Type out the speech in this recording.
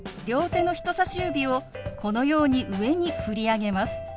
両手の人さし指をこのように上に振り上げます。